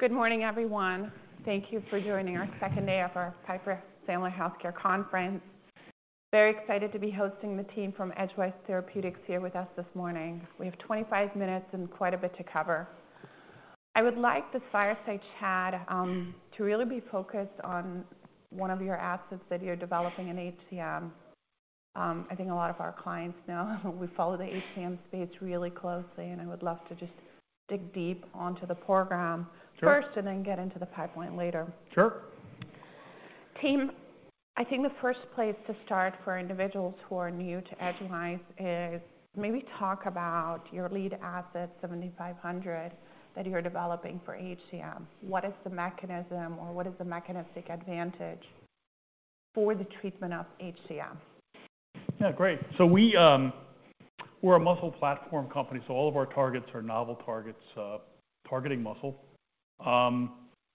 Good morning, everyone. Thank you for joining our second day of our Piper Sandler Healthcare Conference. Very excited to be hosting the team from Edgewise Therapeutics here with us this morning. We have 25 minutes and quite a bit to cover. I would like this fireside chat to really be focused on one of your assets that you're developing in HCM. I think a lot of our clients know we follow the HCM space really closely, and I would love to just dig deep onto the program. Sure. First, and then get into the pipeline later. Sure. Team, I think the first place to start for individuals who are new to Edgewise is maybe talk about your lead asset, 7500, that you're developing for HCM. What is the mechanism, or what is the mechanistic advantage for the treatment of HCM? Yeah, great. So we, we're a muscle platform company, so all of our targets are novel targets, targeting muscle.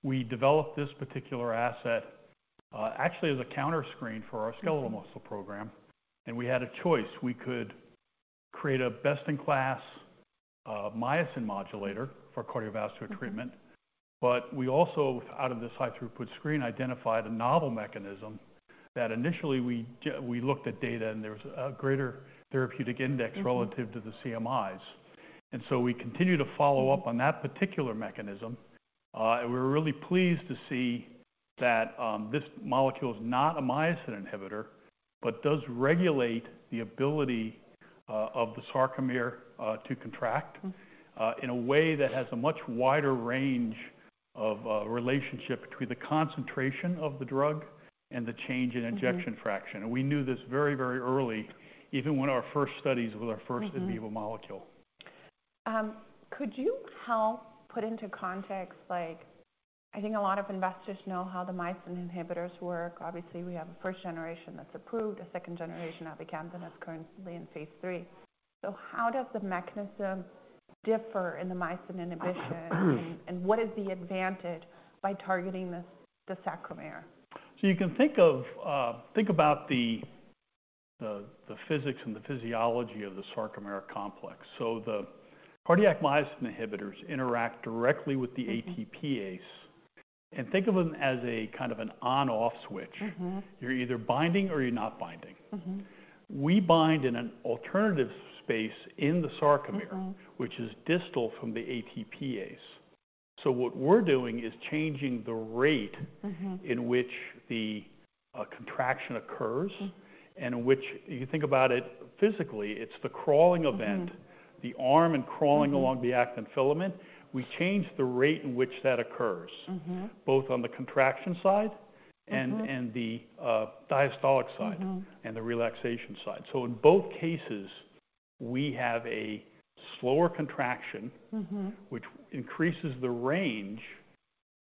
We developed this particular asset, actually, as a counter screen for our skeletal muscle program, and we had a choice. We could create a best-in-class, myosin modulator for cardiovascular treatment. But we also, out of this high-throughput screen, identified a novel mechanism that initially we looked at data, and there was a greater therapeutic index- Mm-hmm. -relative to the CMIs. And so we continued to follow up on that particular mechanism, and we're really pleased to see that, this molecule is not a myosin inhibitor, but does regulate the ability, of the sarcomere, to contract- Mm-hmm... in a way that has a much wider range of relationship between the concentration of the drug and the change in ejection fraction. Mm-hmm. We knew this very, very early, even one of our first studies with our first- Mm-hmm in vivo molecule. Could you help put into context, like, I think a lot of investors know how the myosin inhibitors work. Obviously, we have a first generation that's approved, a second generation, mavacamten, that's currently in Phase III. So how does the mechanism differ in the myosin inhibition, and what is the advantage by targeting this, the sarcomere? So you can think about the physics and the physiology of the sarcomere complex. So the cardiac myosin inhibitors interact directly with the ATPase. Mm-hmm. Think of them as a kind of an on/off switch. Mm-hmm. You're either binding or you're not binding. Mm-hmm. We bind in an alternative space in the sarcomere- Mm-hmm... which is distal from the ATPase. So what we're doing is changing the rate- Mm-hmm... in which the contraction occurs- Mm-hmm ... and in which, if you think about it physically, it's the crawling event- Mm-hmm... the arm and crawling along the actin filament. We change the rate in which that occurs- Mm-hmm... both on the contraction side- Mm-hmm... and the diastolic side- Mm-hmm... and the relaxation side. So in both cases, we have a slower contraction- Mm-hmm... which increases the range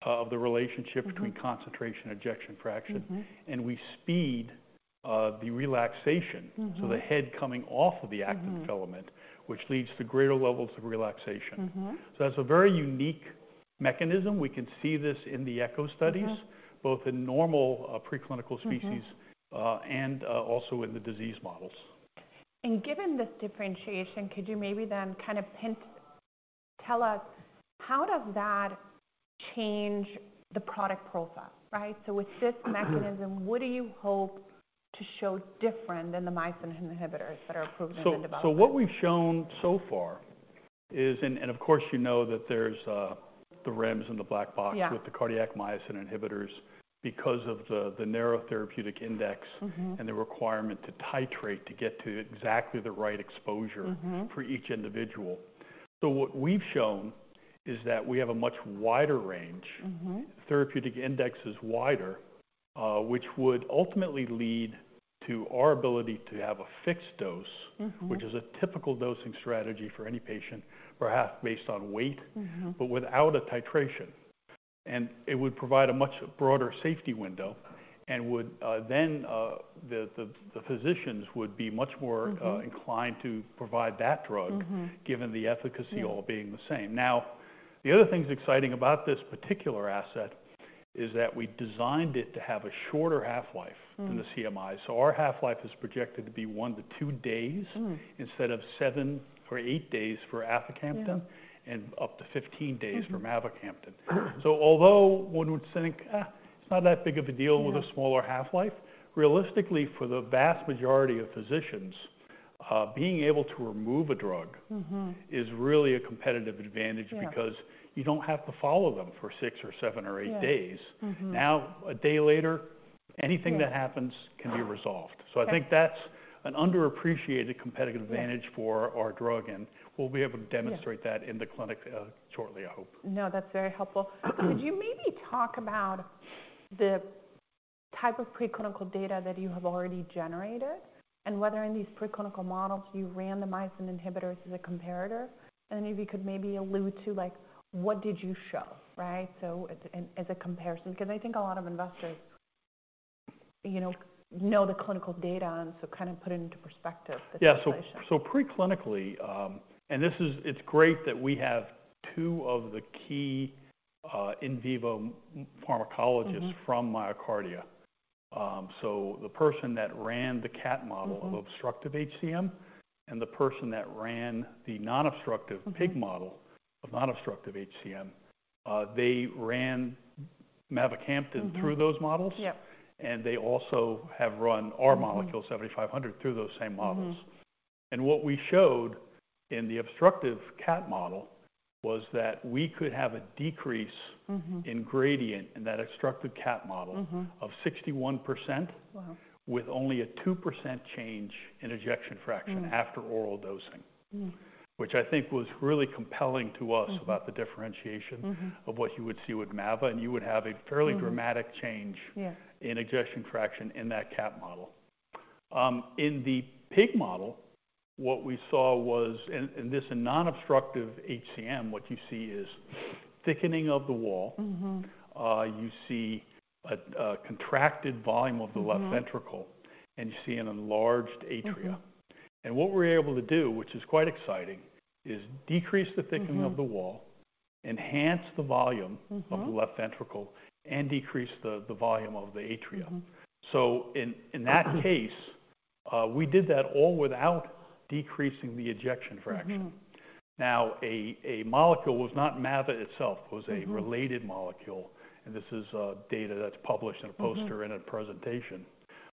of the relationship- Mm-hmm... between concentration and ejection fraction- Mm-hmm... and we speed the relaxation- Mm-hmm... so the head coming off of the actin filament- Mm-hmm... which leads to greater levels of relaxation. Mm-hmm. That's a very unique mechanism. We can see this in the echo studies- Mm-hmm... both in normal, preclinical species- Mm-hmm... and also in the disease models. Given this differentiation, could you maybe then kind of tell us how does that change the product profile, right? So with this mechanism, what do you hope to show different than the myosin inhibitors that are approved in the development? So what we've shown so far is... And of course, you know that there's the REMS and the black box- Yeah... with the cardiac myosin inhibitors because of the narrow therapeutic index- Mm-hmm... and the requirement to titrate to get to exactly the right exposure- Mm-hmm... for each individual. So what we've shown is that we have a much wider range. Mm-hmm. Therapeutic index is wider, which would ultimately lead to our ability to have a fixed dose- Mm-hmm... which is a typical dosing strategy for any patient, perhaps based on weight- Mm-hmm... but without a titration. And it would provide a much broader safety window and would, then, the physicians would be much more- Mm-hmm... inclined to provide that drug- Mm-hmm... given the efficacy all being the same. Yeah. Now, the other thing that's exciting about this particular asset is that we designed it to have a shorter half-life- Mm-hmm... than the CMI. So our half-life is projected to be one-two days- Mm... instead of seven or eight days for aficamten- Yeah... and up to 15 days for mavacamten. So although one would think, "Eh, it's not that big of a deal- Yeah... with a smaller half-life," realistically, for the vast majority of physicians, being able to remove a drug- Mm-hmm... is really a competitive advantage- Yeah... because you don't have to follow them for 6 or 7 or 8 days. Yeah. Mm-hmm. Now, a day later, anything that happens- Yeah... can be resolved. Yeah. I think that's an underappreciated competitive advantage- Yeah... for our drug, and we'll be able to demonstrate that- Yeah... in the clinic, shortly, I hope. No, that's very helpful. Could you maybe talk about the type of preclinical data that you have already generated and whether in these preclinical models you randomized an inhibitor as a comparator? And then if you could maybe allude to, like, what did you show, right? So as, and as a comparison, because I think a lot of investors, you know, know the clinical data and so kind of put it into perspective for the patient. Yeah. So preclinically... And this is-- it's great that we have two of the key in vivo pharmacologists- Mm-hmm... from MyoKardia. So the person that ran the cat model- Mm-hmm. of obstructive HCM and the person that ran the non-obstructive- Mm-hmm. -pig model, of nonobstructive HCM, they ran mavacamten- Mm-hmm. through those models. Yep. And they also have run our molecule- Mm-hmm. 7500 through those same models. Mm-hmm. What we showed in the obstructive cat model was that we could have a decrease- Mm-hmm. in gradient in that obstructive cat model Mm-hmm. -of 61%- Wow! with only a 2% change in ejection fraction Mm. after oral dosing. Mm. Which I think was really compelling to us- Mm. about the differentiation Mm-hmm. of what you would see with mavacamten, and you would have a fairly- Mm. -dramatic change- Yeah in ejection fraction in that cat model. In the pig model, what we saw was in a nonobstructive HCM, what you see is thickening of the wall. Mm-hmm. You see a contracted volume of the- Mm-hmm... left ventricle, and you see an enlarged atria. Mm-hmm. What we're able to do, which is quite exciting, is decrease the thickening- Mm-hmm... of the wall, enhance the volume- Mm-hmm... of the left ventricle, and decrease the volume of the atria. Mm-hmm. So in that case, we did that all without decreasing the ejection fraction. Mm-hmm. Now, a molecule was not mava itself- Mm-hmm. -it was a related molecule, and this is data that's published in a poster- Mm-hmm in a presentation.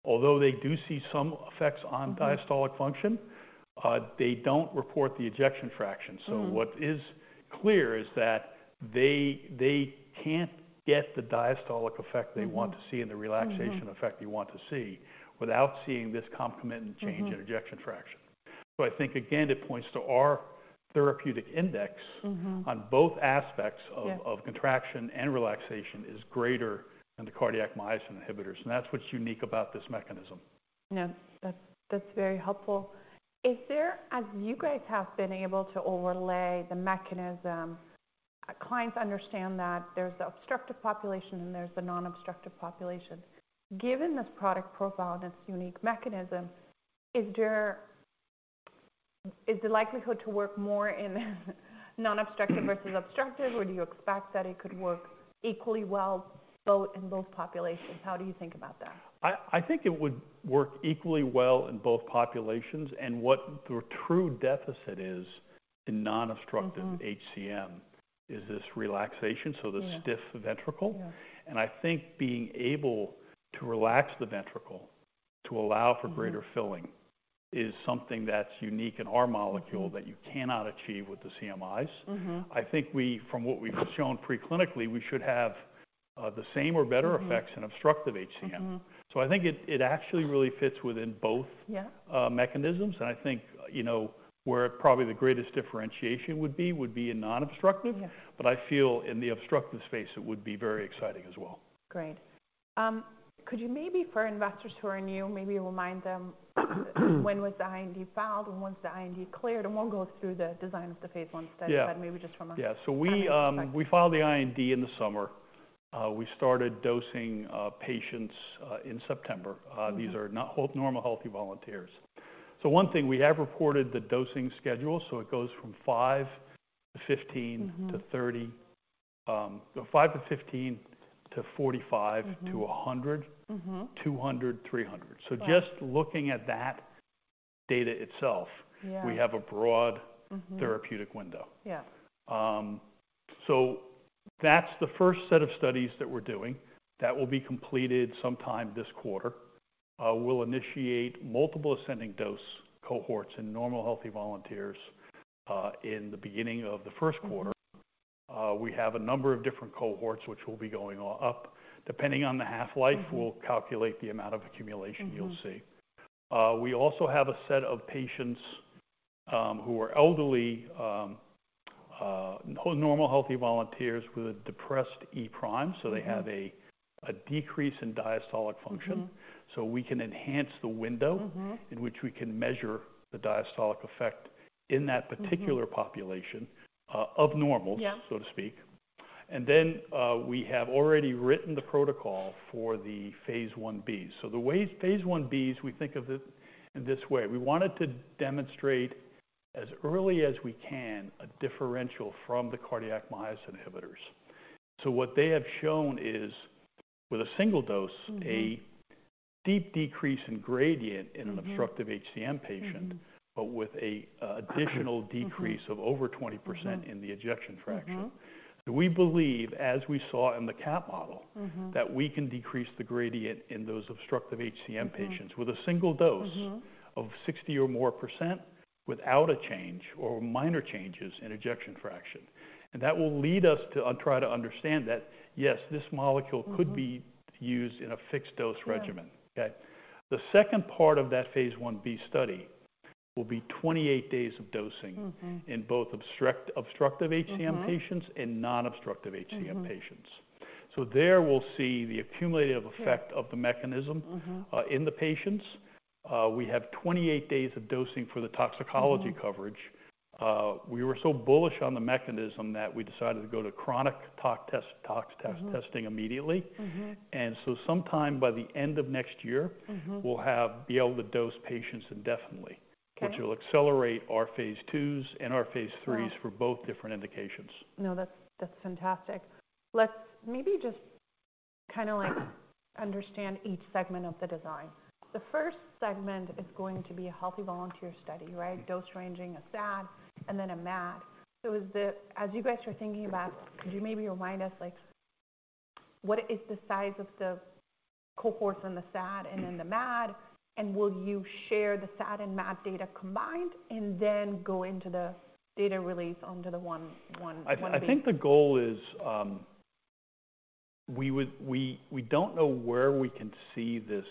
Although they do see some effects on- Mm-hmm -diastolic function, they don't report the ejection fraction. Mm-hmm. What is clear is that they can't get the diastolic effect they want- Mm-hmm... to see and the relaxation- Mm-hmm... effect you want to see without seeing this concomitant- Mm-hmm... change in ejection fraction. So I think again, it points to our therapeutic index- Mm-hmm... on both aspects of- Yeah... of contraction and relaxation is greater than the cardiac myosin inhibitors, and that's what's unique about this mechanism. Yeah, that's, that's very helpful. Is there, as you guys have been able to overlay the mechanism, clients understand that there's the obstructive population and there's the non-obstructive population. Given this product profile and its unique mechanism, is there, is the likelihood to work more in non-obstructive versus obstructive, or do you expect that it could work equally well, both in both populations? How do you think about that? I think it would work equally well in both populations, and what the true deficit is in non-obstructive- Mm-hmm ...HCM, is this relaxation? Yeah... so the stiff ventricle. Yeah. I think being able to relax the ventricle to allow for- Mm-hmm... greater filling is something that's unique in our molecule- Mm-hmm... that you cannot achieve with the CMIs. Mm-hmm. I think we, from what we've shown pre-clinically, we should have the same or better effects- Mm-hmm... in obstructive HCM. Mm-hmm. So I think it actually really fits within both- Yeah... mechanisms. I think, you know, where probably the greatest differentiation would be in non-obstructive. Yeah. But I feel in the obstructive space, it would be very exciting as well. Great. Could you maybe for investors who are new, maybe remind them, when was the IND filed and when was the IND cleared, and we'll go through the design of the phase I study. Yeah... but maybe just from a- Yeah. Um, perspective. We filed the IND in the summer. We started dosing patients in September. Mm-hmm. These are not... normal, healthy volunteers. So one thing, we have reported the dosing schedule. So it goes from 5-15- Mm-hmm... to 30, 5 to 15, to 45- Mm-hmm... to 100- Mm-hmm... 200, 300. Wow! Just looking at that data itself- Yeah... we have a broad- Mm-hmm... therapeutic window. Yeah. That's the first set of studies that we're doing. That will be completed sometime this quarter. We'll initiate multiple ascending dose cohorts in normal, healthy volunteers, in the beginning of the first quarter. Mm-hmm. We have a number of different cohorts which will be going all up. Depending on the half-life- Mm-hmm... we'll calculate the amount of accumulation you'll see. Mm-hmm. We also have a set of patients who are elderly, normal, healthy volunteers with a depressed E prime. Mm-hmm. So they have a decrease in diastolic function. Mm-hmm. So we can enhance the window- Mm-hmm... in which we can measure the diastolic effect in that- Mm-hmm... particular population, of normals- Yeah... so to speak. And then, we have already written the protocol for the phase I-B. So the way phase I-B is, we think of it in this way. We wanted to demonstrate as early as we can, a differential from the cardiac myosin inhibitors. So what they have shown is with a single dose- Mm-hmm... a deep decrease in gradient in an- Mm-hmm... obstructive HCM patient- Mm-hmm... but with a additional decrease- Mm-hmm... of over 20%- Mm-hmm... in the ejection fraction. Mm-hmm. We believe, as we saw in the cat model- Mm-hmm... that we can decrease the gradient in those obstructive HCM patients. Mm-hmm... with a single dose- Mm-hmm... of 60% or more without a change or minor changes in ejection fraction. And that will lead us to try to understand that, yes, this molecule- Mm-hmm... could be used in a fixed dose regimen. Yeah. Okay? The second part of that phase I-B study will be 28 days of dosing. Mm-hmm... in both obstructive HCM patients- Mm-hmm... and non-obstructive HCM patients. Mm-hmm. So there we'll see the accumulative effect- Yeah... of the mechanism- Mm-hmm... in the patients. We have 28 days of dosing for the toxicology coverage. Mm-hmm. We were so bullish on the mechanism that we decided to go to chronic tox test. Mm-hmm... testing immediately. Mm-hmm. Sometime by the end of next year- Mm-hmm... we'll be able to dose patients indefinitely- Okay... which will accelerate our phase II and our phase III Wow... for both different indications. No, that's, that's fantastic. Let's maybe kind of like understand each segment of the design. The first segment is going to be a healthy volunteer study, right? Dose ranging, a SAD, and then a MAD. So as you guys are thinking about, could you maybe remind us, like, what is the size of the cohorts in the SAD and in the MAD? And will you share the SAD and MAD data combined and then go into the data release onto the one, one- I think the goal is, we don't know where we can see this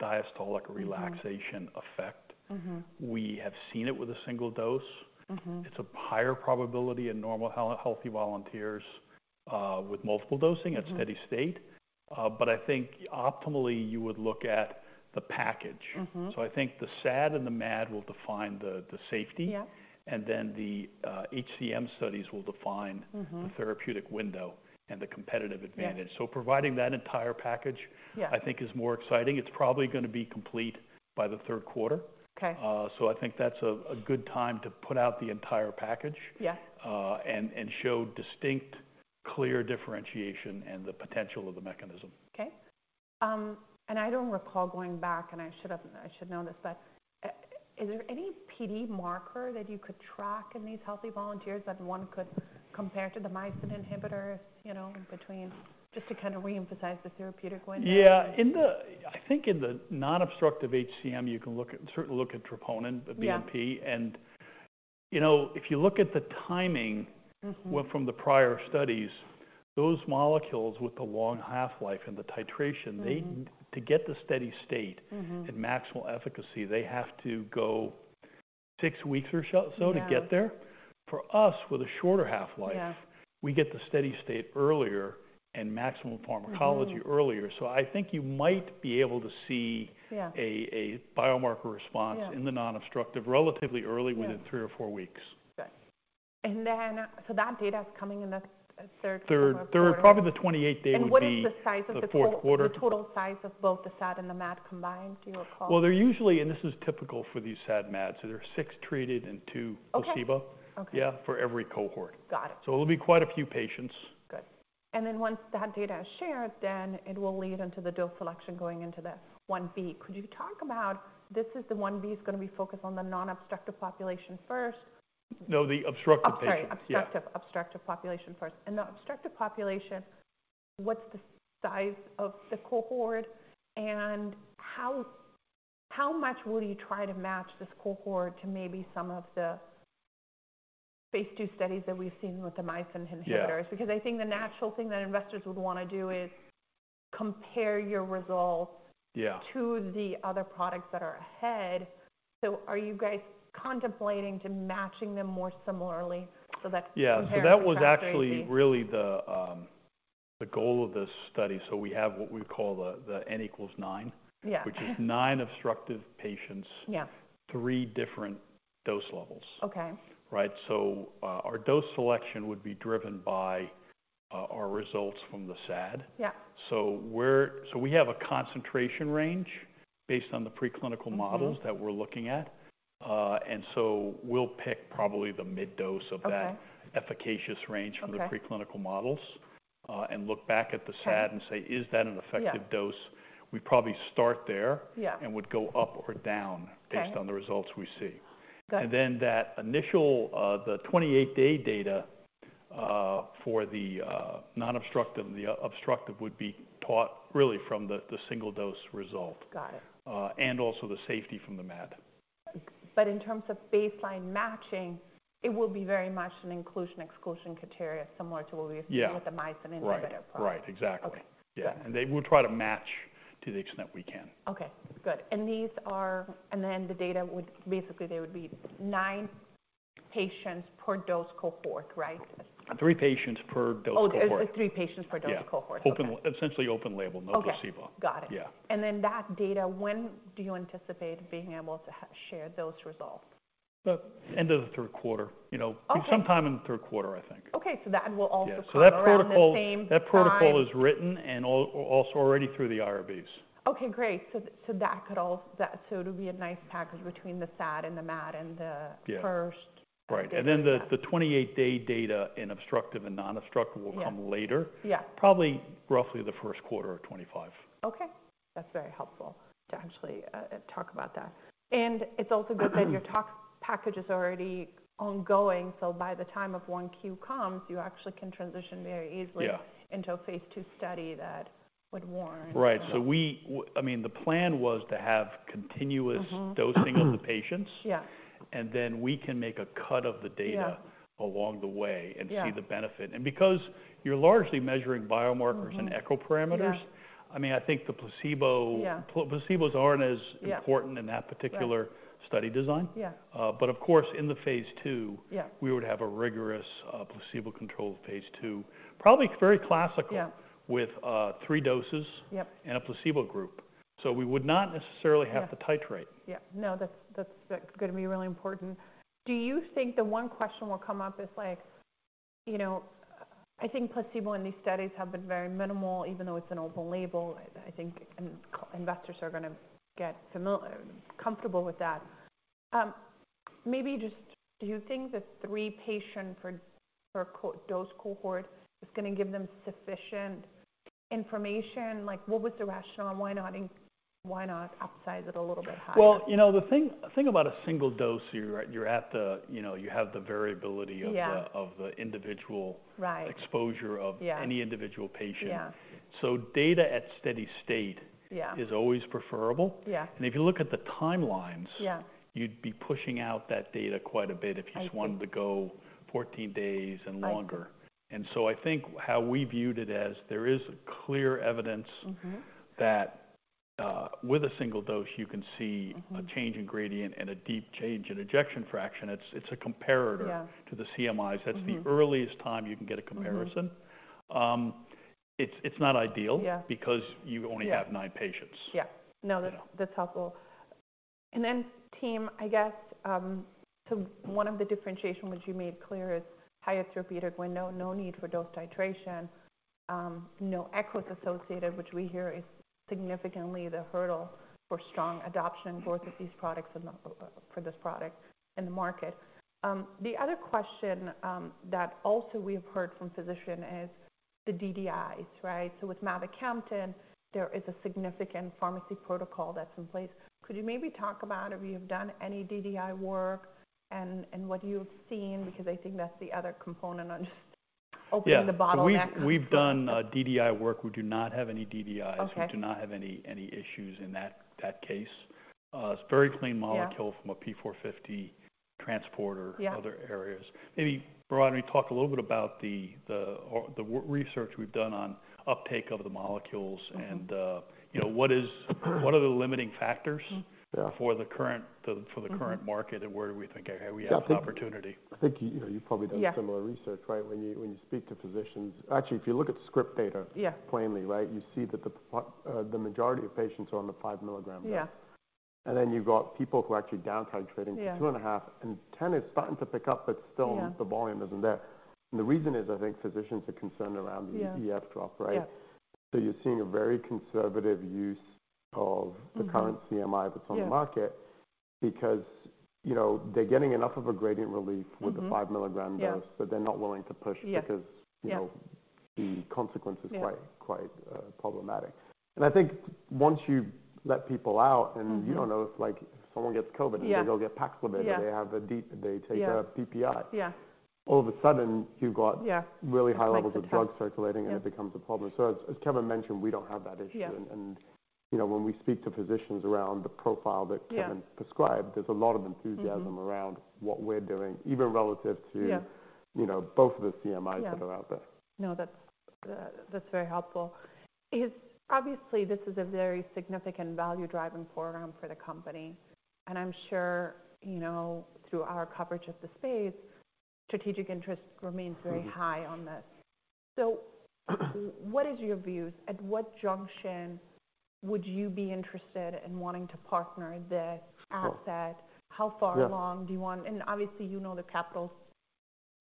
diastolic- Mm-hmm. relaxation effect. Mm-hmm. We have seen it with a single dose. Mm-hmm. It's a higher probability in normal healthy volunteers with multiple dosing- Mm-hmm... at steady state. But I think optimally, you would look at the package. Mm-hmm. I think the SAD and the MAD will define the safety. Yeah. The HCM studies will define- Mm-hmm... the therapeutic window and the competitive advantage. Yeah. So providing that entire package- Yeah... I think is more exciting. It's probably gonna be complete by the third quarter. Okay. So I think that's a good time to put out the entire package- Yeah... and show distinct, clear differentiation and the potential of the mechanism. Okay. I don't recall going back, and I should have. I should know this, but is there any PD marker that you could track in these healthy volunteers that one could compare to the myosin inhibitors, you know, between-- Just to kind of reemphasize the therapeutic window? Yeah. In the—I think in the nonobstructive HCM, you can look at, certainly look at troponin, the BNP. Yeah. You know, if you look at the timing- Mm-hmm... well, from the prior studies, those molecules with the long half-life and the titration- Mm-hmm ...they, to get the steady state- Mm-hmm... and maximal efficacy, they have to go six weeks or so, so- Yeah... to get there. For us, with a shorter half-life- Yeah... we get the steady state earlier and maximal pharmacology earlier. Mm-hmm. I think you might be able to see- Yeah... a biomarker response- Yeah... in the nonobstructive relatively early- Yeah... within three or four weeks. Okay. That data is coming in the third quarter? Third. Third, probably the 28th day would be- What is the size of the total- The fourth quarter. The total size of both the SAD and the MAD combined, do you recall? Well, they're usually, and this is typical for these SAD, MADs, so they're six treated and two Okay. -placebo. Okay. Yeah, for every cohort. Got it. It'll be quite a few patients. Good. And then once that data is shared, then it will lead into the dose selection going into the 1B. Could you talk about this? The 1B is gonna be focused on the nonobstructive population first? No, the obstructive patients. Sorry, obstructive. Yeah. Obstructive population first. The obstructive population, what's the size of the cohort? How, how much will you try to match this cohort to maybe some of the phase II studies that we've seen with the myosin inhibitors? Yeah. Because I think the natural thing that investors would wanna do is compare your results- Yeah -to the other products that are ahead. So are you guys contemplating to matching them more similarly so that- Yeah -comparing the? That was actually really the goal of this study. We have what we call the n=9. Yeah. Which is 9 obstructive patients. Yeah. three different dose levels. Okay. Right? So, our dose selection would be driven by our results from the SAD. Yeah. So we have a concentration range based on the preclinical models. Mm-hmm... that we're looking at, and so we'll pick probably the mid dose of that- Okay... efficacious range- Okay... from the preclinical models, and look back at the SAD- Okay... and say, "Is that an effective dose? Yeah. We'd probably start there- Yeah... and would go up or down- Okay... based on the results we see. Got it. Then that initial 28-day data for the non-obstructive and the obstructive would be thought really from the single dose result. Got it. also the safety from the MAD. In terms of baseline matching, it will be very much an inclusion/exclusion criteria, similar to what we've- Yeah... seen with the myosin inhibitor class. Right. Right, exactly. Okay. Yeah, and they, we'll try to match to the extent we can. Okay, good. And then the data would... Basically, they would be nine patients per dose cohort, right? 3 patients per dose cohort. Oh, three patients per dose cohort. Yeah. Okay. Open, essentially open label, no placebo. Okay, got it. Yeah. That data, when do you anticipate being able to share those results? The end of the third quarter, you know. Okay. Sometime in the third quarter, I think. Okay, so that will also- Yeah... come around the same time. That protocol, that protocol is written and also already through the IRBs. Okay, great. So that could also. So it would be a nice package between the SAD and the MAD and the- Yeah... first- Right, and then the 28-day data in obstructive and non-obstructive- Yeah... will come later. Yeah. Probably roughly the first quarter of 2025. Okay, that's very helpful to actually talk about that. And it's also good that your talk package is already ongoing, so by the time 1Q comes, you actually can transition very easily. Yeah... into a phase II study that would warrant. Right. So I mean, the plan was to have continuous- Mm-hmm... dosing of the patients. Yeah. Then we can make a cut of the data- Yeah... along the way- Yeah... and see the benefit. And because you're largely measuring biomarkers- Mm-hmm... and echo parameters. Yeah... I mean, I think the placebo- Yeah. Placebos aren't as- Yeah... important in that particular- Right... study design. Yeah. but of course, in the phase II Yeah... we would have a rigorous, placebo-controlled phase II. Probably very classical- Yeah... with, three doses- Yep... and a placebo group. So we would not necessarily- Yeah... have to titrate. Yeah. No, that's, that's, that's gonna be really important. Do you think the one question that will come up is like, you know, I think placebo in these studies has been very minimal, even though it's an open label. I think investors are gonna get familiar, comfortable with that. Maybe just do you think the three-patient dose cohort is going to give them sufficient information? Like, what was the rationale and why not, and why not upsize it a little bit higher? Well, you know, the thing about a single dose, you're at the, you know, you have the variability of the- Yeah of the individual Right exposure of Yeah - any individual patient. Yeah. Data at steady state- Yeah - is always preferable. Yeah. If you look at the timelines- Yeah you'd be pushing out that data quite a bit if you just- I think wanted to go 14 days and longer. I... So I think how we viewed it as there is clear evidence... Mm-hmm - that, with a single dose, you can see- Mm-hmm a change in gradient and a deep change in ejection fraction. It's, it's a comparator- Yeah - to the CMIs. Mm-hmm. That's the earliest time you can get a comparison. Mm-hmm. It's not ideal- Yeah Because you only have nine patients. Yeah. Yeah. No, that's- You know... that's helpful. And then, team, I guess, so one of the differentiation, which you made clear, is higher therapeutic window, no need for dose titration, no echoes associated, which we hear is significantly the hurdle for strong adoption both of these products and for this product in the market. The other question, that also we have heard from physician is the DDIs, right? So with mavacamten, there is a significant pharmacy protocol that's in place. Could you maybe talk about if you've done any DDI work and, and what you've seen? Because I think that's the other component on just opening the bottleneck. Yeah. We've done DDI work. We do not have any DDIs. Okay. We do not have any issues in that case. It's very clean molecule- Yeah from a P450 transporter- Yeah - other areas. Maybe, Behrad, let me talk a little bit about the research we've done on uptake of the molecules and, you know, what are the limiting factors- Yeah - for the current, the, for the- Mm-hmm Current market and where we think we have an opportunity? Yeah, I think, you know, you've probably done- Yeah similar research, right? When you speak to physicians. Actually, if you look at script data- Yeah Plainly, right, you see that the majority of patients are on the 5 milligram. Yeah. Then you've got people who are actually downtitrating- Yeah - to 2.5, and 10 is starting to pick up, but still- Yeah The volume isn't there. The reason is I think physicians are concerned around the- Yeah EF drop, right? Yeah. You're seeing a very conservative use of- Mm-hmm - the current CMI that's on the market- Yeah - because, you know, they're getting enough of a gradient relief- Mm-hmm - with the five milligram dose- Yeah - but they're not willing to push- Yeah because, you know- Yeah - the consequence is quite- Yeah quite problematic. And I think once you let people out- Mm-hmm and you don't know if, like, someone gets COVID- Yeah or they go get Paxlovid- Yeah or they have a deep, they take Yeah - a PPI. Yeah. All of a sudden, you've got- Yeah really high levels of drug circulating, and it becomes a problem. Yeah. So, as Kevin mentioned, we don't have that issue. Yeah. You know, when we speak to physicians around the profile that Kevin- Yeah described, there's a lot of enthusiasm Mm-hmm - around what we're doing, even relative to- Yeah You know, both of the CMIs that are out there. Yeah. No, that's, that's very helpful. Is obviously this is a very significant value-driving program for the company, and I'm sure, you know, through our coverage of the space, strategic interest remains very- Mm-hmm... high on this. So what is your views? At what junction would you be interested in wanting to partner this asset? Sure. How far along- Yeah Do you want? And obviously, you know the capital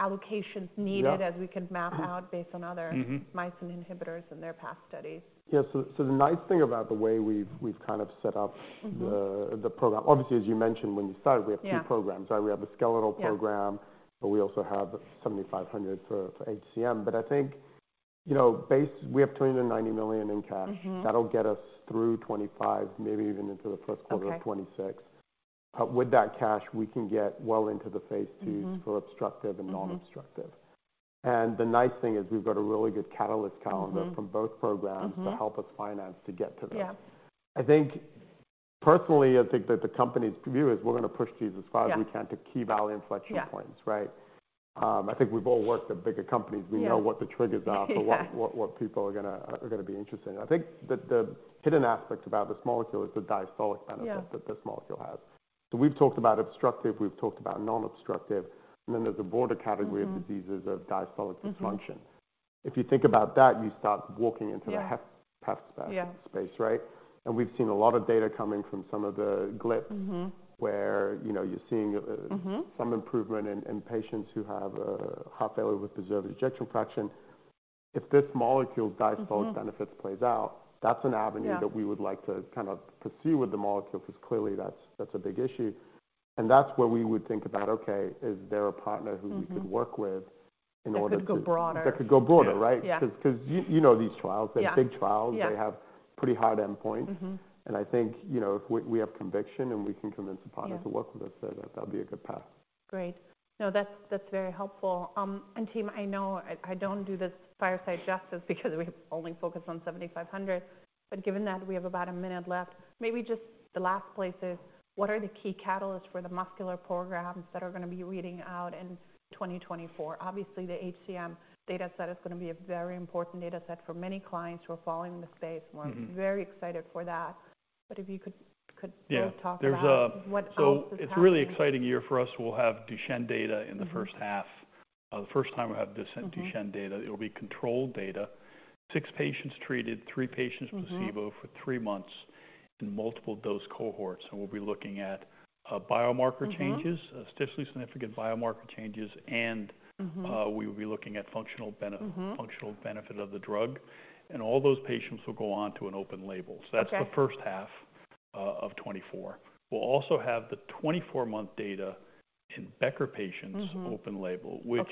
allocations needed- Yeah as we can map out- Mm-hmm based on other- Mm-hmm - myosin inhibitors and their past studies. Yeah. So the nice thing about the way we've kind of set up- Mm-hmm - the program. Obviously, as you mentioned when you started- Yeah We have two programs. We have the skeletal program. Yeah - but we also have 7500 for HCM. But I think, you know, base, we have $29 million in cash. Mm-hmm. That'll get us through 2025, maybe even into the first quarter- Okay - of 26. With that cash, we can get well into the Phase 2s Mm-hmm for obstructive and non-obstructive. Mm-hmm. The nice thing is we've got a really good catalyst calendar- Mm-hmm from both programs Mm-hmm to help us finance to get to that. Yeah. I think... Personally, I think that the company's view is we're going to push these as far as we can- Yeah to key value inflection points, right? Yeah. I think we've all worked at bigger companies. Yeah. We know what the triggers are. Yeah. So what people are gonna be interested in. I think that the hidden aspect about this molecule is the diastolic benefit- Yeah - that this molecule has. So we've talked about obstructive, we've talked about non-obstructive, and then there's a broader category- Mm-hmm - of diseases of diastolic dysfunction. Mm-hmm. If you think about that, you start walking into the HFpEF space- Yeah right? And we've seen a lot of data coming from some of the GLP- Mm-hmm - where, you know, you're seeing Mm-hmm some improvement in patients who have heart failure with preserved ejection fraction. If this molecule- Mm-hmm diastolic benefits plays out, that's an avenue. Yeah that we would like to kind of pursue with the molecule, because clearly that's, that's a big issue. And that's where we would think about, okay, is there a partner who- Mm-hmm - we could work with in order to- That could go broader. That could go broader, right? Yeah. Because you know these trials. Yeah. They're big trials. Yeah. They have pretty hard endpoints. Mm-hmm. I think, you know, if we have conviction, and we can convince a partner- Yeah to work with us, that'll be a good path. Great. No, that's, that's very helpful. And team, I know I, I don't do this fireside justice because we only focus on 7500, but given that we have about a minute left, maybe just the last place is, what are the key catalysts for the muscular programs that are going to be reading out in 2024? Obviously, the HCM data set is going to be a very important data set for many clients who are following the space. Mm-hmm. We're very excited for that. But if you could, Yeah - talk about- There's a- What else is happening? It's a really exciting year for us. We'll have Duchenne data in the first half. Mm-hmm. The first time we'll have Duchenne data. Mm-hmm. It will be controlled data. 6 patients treated, 3 patients placebo- Mm-hmm... for three months in multiple dose cohorts, and we'll be looking at biomarker changes- Mm-hmm statistically significant biomarker changes, and- Mm-hmm We will be looking at functional benefit- Mm-hmm functional benefit of the drug, and all those patients will go on to an open label. Okay. That's the first half of 2024. We'll also have the 24-month data in Becker patients- Mm-hmm... open label- Okay - which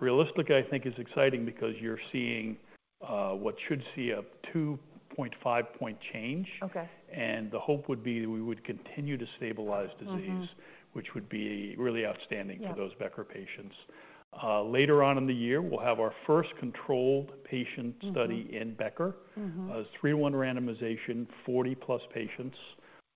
realistically, I think is exciting because you're seeing what should see a 2.5 point change. Okay. The hope would be that we would continue to stabilize disease… Mm-hmm - which would be really outstanding- Yeah - for those Becker patients. Later on in the year, we'll have our first controlled patient study- Mm-hmm - in Becker. Mm-hmm. 3:1 randomization, 40+ patients.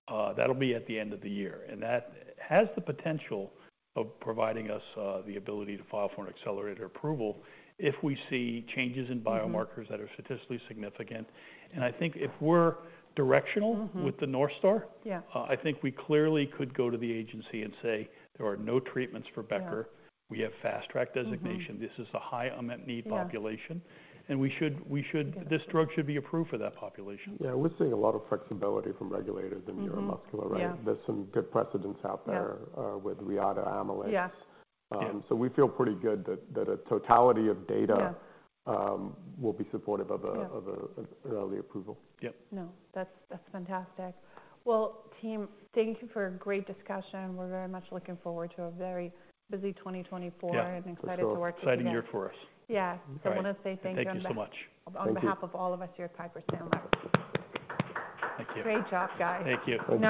That'll be at the end of the year, and that has the potential of providing us the ability to file for accelerated approval if we see changes in biomarkers. Mm-hmm that are statistically significant. And I think if we're directional- Mm-hmm - with the North Star - Yeah I think we clearly could go to the agency and say, there are no treatments for Becker. Yeah. We have Fast Track designation. Mm-hmm. This is a high, unmet need population. Yeah. We should. This drug should be approved for that population. Yeah, we're seeing a lot of flexibility from regulators in neuromuscular, right? Mm-hmm. Yeah. There's some good precedents out there- Yeah with Reata, Amylyx Yeah. Yeah. So we feel pretty good that a totality of data- Yeah - will be supportive of Yeah - of early approval. Yep. No, that's, that's fantastic. Well, team, thank you for a great discussion. We're very much looking forward to a very busy 2024- Yeah excited to work with you. Exciting year for us. Yeah. All right. I want to say thank you- Thank you so much.... on behalf of all of us here at Piper Sandler. Thank you. Great job, guys. Thank you.